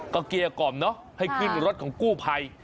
ก็เกียร์กล่อมเนอะให้ขึ้นรถของกู้ไพ